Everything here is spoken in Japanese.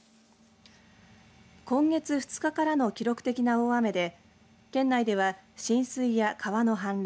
今月２日からの記録的な大雨で県内では、浸水や川の氾濫